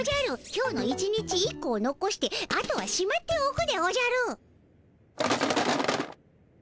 今日の１日１個をのこしてあとはしまっておくでおじゃる。